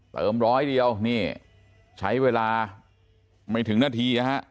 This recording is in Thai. ร้อยเดียวนี่ใช้เวลาไม่ถึงนาทีนะฮะ